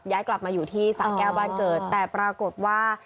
กลับมาอยู่ที่สะแก้วบ้านเกิดแต่ปรากฏว่า